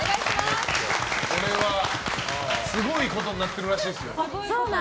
これは、すごいことになってるらしいですよ。